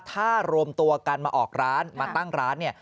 ถ้ารวมตัวกันมาออกร้านมาตั้งร้านเนี่ย